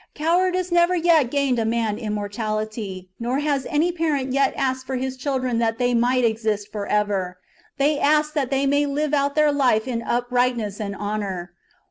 Cowardice never yet gained a ^xx^v man immortality, nor has any parent yet asked for his children that they might exist for ever; they ask that they may live out their life in uprightness and honour.